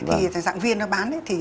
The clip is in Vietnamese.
thì dạng viên nó bán